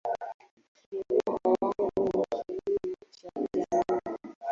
Dereva wangu ni kioo cha jamii.